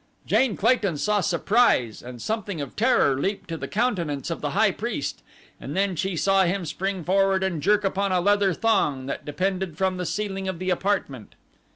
Jane Clayton saw surprise and something of terror too leap to the countenance of the high priest and then she saw him spring forward and jerk upon a leather thong that depended from the ceiling of the apartment.